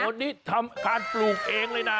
วันนี้ทำการปลูกเองเลยนะ